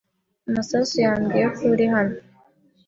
Masasu yambwiye ko uri hano.